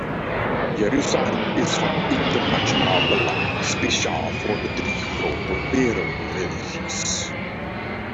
Jeruzalem is van internationaal belang, speciaal voor de drie grote wereldreligies.